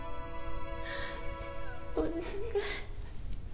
お願い